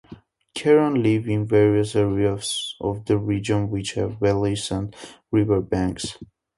Karen live in various areas of the region which have valleys and riverbanks.